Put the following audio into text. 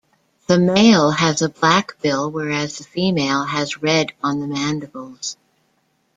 The male has a black bill, whereas the female has red on the mandibles.